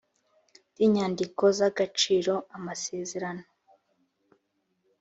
ry inyandiko z agaciro amasezerano